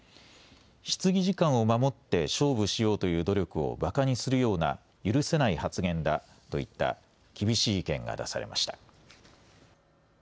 質疑時間を守って勝負しようという努力をばかにするような許せない発言だといった厳しい意見が出されました。